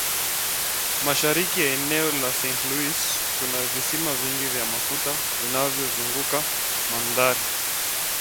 East of the Saint Louis area, there are numerous oil wells dotting the landscape.